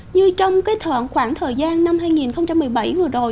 như trong cái khoảng thời gian năm hai nghìn một mươi bảy vừa rồi